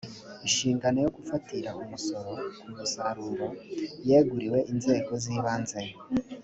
inshingano yo gufatira umusoro ku musaruro yyeguriwe inzego zibanze